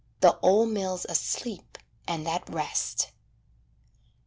The old mill's asleep and at rest.